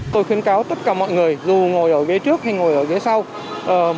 tôi khuyến cáo tất cả mọi người dù ngồi ở ghế trước hay ngồi ở phía sau